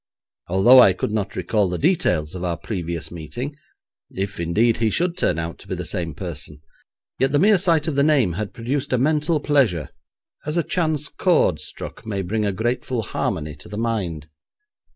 Although I could not recall the details of our previous meeting, if, indeed, he should turn out to be the same person, yet the mere sight of the name had produced a mental pleasure, as a chance chord struck may bring a grateful harmony to the mind.